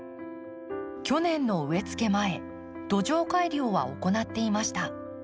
去年の植えつけ前土壌改良は行っていました。